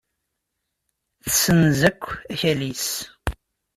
Tessenz akk akal-is.